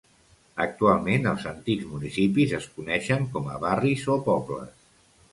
Actualment els antics municipis es coneixen com a barris o pobles.